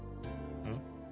うん？